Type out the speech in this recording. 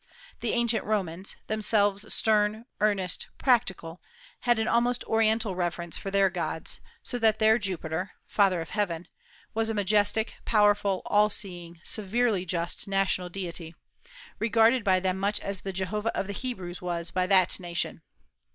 The ancient Romans, themselves stern, earnest, practical, had an almost Oriental reverence for their gods, so that their Jupiter (Father of Heaven) was a majestic, powerful, all seeing, severely just national deity, regarded by them much as the Jehovah of the Hebrews was by that nation.